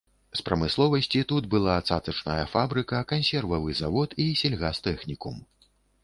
З прамысловасці тут была цацачная фабрыка, кансервавы завод і сельгастэхнікум.